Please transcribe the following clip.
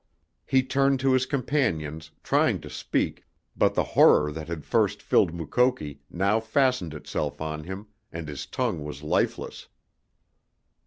He turned to his companions, trying to speak, but the horror that had first filled Mukoki now fastened itself on him, and his tongue was lifeless.